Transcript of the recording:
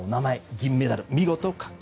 銀メダルを見事獲得。